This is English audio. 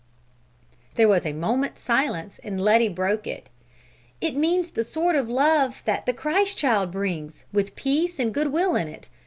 There was a moment's silence and Letty broke it. "It means the sort of love the Christ Child brings, with peace and good will in it.